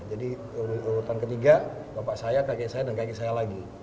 urutan ketiga bapak saya kakek saya dan kakek saya lagi